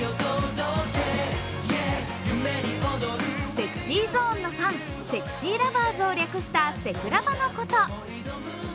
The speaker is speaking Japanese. ＳｅｘｙＺｏｎｅのファン、セクシーラバーズを略したセクラバのこと。